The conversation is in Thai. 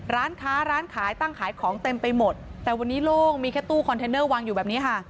ร้านค้าร้านขายตั้งขายของเต็มไปหมดแต่วันนี้โล่งมีแค่ตู้คอนเทนเนอร์วางอยู่แบบนี้ค่ะ